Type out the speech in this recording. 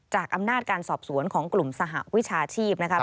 อำนาจการสอบสวนของกลุ่มสหวิชาชีพนะครับ